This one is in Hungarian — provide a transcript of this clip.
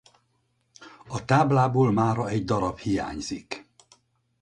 A táblából mára egy darab hiányzik.